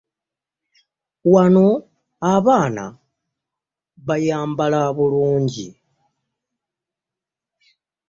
Wano abaan abayambala bulunji .